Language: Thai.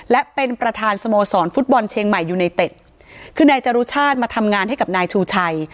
และเป็นประธานสโมสรฟุตบอลเชียงใหม่ยูไนเต็ดคือนายจรุชาติมาทำงานให้กับนายชูชัย